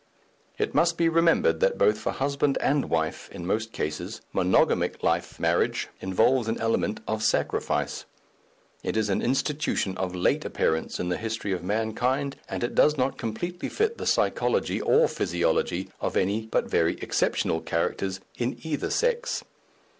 It must be remembered that both for husband and wife in most cases monogamic life marriage involves an element of sacrifice, it is an institution of late appearance in the history of mankind, and it does not completely fit the psychology or physiology of any but very exceptional characters in either sex.